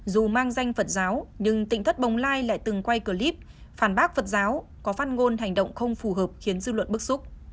dù mang danh phật giáo nhưng tỉnh thất bồng lai lại từng quay clip phản bác phật giáo có phát ngôn hành động không phù hợp khiến dư luận bức xúc